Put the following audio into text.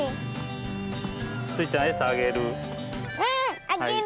スイちゃんえさあげる？